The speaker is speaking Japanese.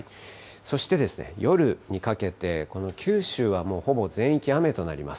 そして、夜にかけてこの九州はもうほぼ全域雨となります。